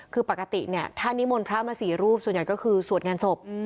คือปกติเนี่ยท่านนิมนต์พระมา๔รูปส่วนใหญ่ก็คือสวดงานศพ